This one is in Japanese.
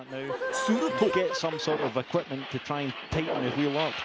すると。